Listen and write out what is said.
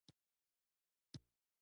زه وختي ور ورسېدم.